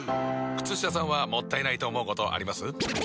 靴下さんはもったいないと思うことあります？